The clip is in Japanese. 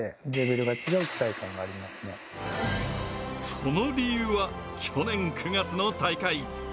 その理由は去年９月の大会。